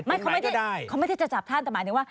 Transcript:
ไม่ได้เขาไม่ได้จะจับท่านแต่หมายถึงว่า